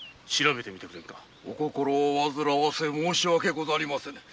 お心をわずらわせ申し訳ございませぬ。